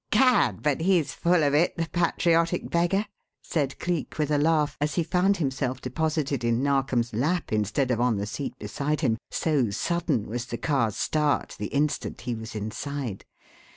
"Gad! but he's full of it, the patriotic beggar!" said Cleek with a laugh, as he found himself deposited in Narkom's lap instead of on the seat beside him, so sudden was the car's start the instant he was inside.